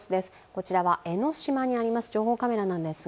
こちらは江の島にあります